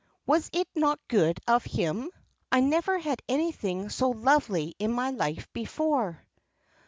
Was it not good of him. I never had anything so lovely in my life before."